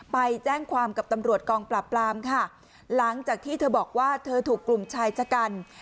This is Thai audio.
ไปแจ้งความกับตำรวจกองปราบปรามค่ะหลังจากที่เธอบอกว่าเธอถูกกลุ่มชายชะกัน